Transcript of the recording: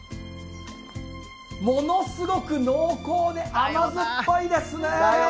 ものすごく濃厚で、甘酸っぱいですね。